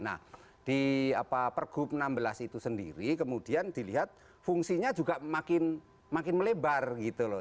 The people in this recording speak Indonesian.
nah di pergub enam belas itu sendiri kemudian dilihat fungsinya juga makin melebar gitu loh